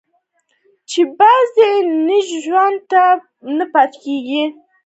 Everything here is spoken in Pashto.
چې بيخي ئې ژوند ته نۀ پرېږدي